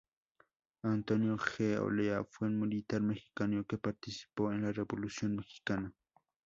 Antonio G. Olea fue un militar mexicano que participó en la Revolución mexicana.